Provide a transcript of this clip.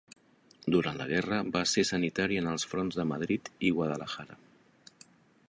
Durant la guerra va ser sanitari en els fronts de Madrid i Guadalajara.